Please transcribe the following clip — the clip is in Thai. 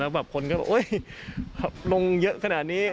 แล้วคนก็บอกว่าโอ๊ยลงเยอะขนาดนี้